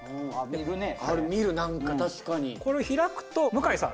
これ見るなんか確かにこれを開くと向井さん